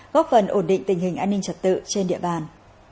góp phần ổn định tình hình an ninh trật tự trên địa bàn